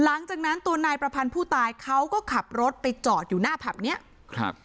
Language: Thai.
หลังจากนั้นตัวนายประพันธ์ผู้ตายเขาก็ขับรถไปจอดอยู่หน้าผับเนี้ยครับ